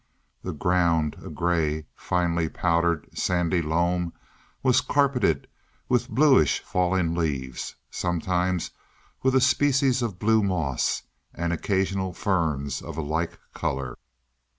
The ground a gray, finely powdered sandy loam was carpeted with bluish fallen leaves, sometimes with a species of blue moss, and occasional ferns of a like color.